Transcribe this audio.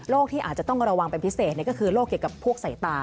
ที่อาจจะต้องระวังเป็นพิเศษก็คือโรคเกี่ยวกับพวกสายตา